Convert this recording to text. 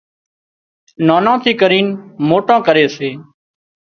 نانان ٿي ڪرينَ موٽان ڪري سي